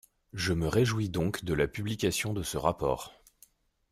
Je me réjouis donc de la publication de ce rapport.